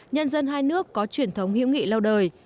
nhân dân hai nước có truyền thống hữu nghị lâu đời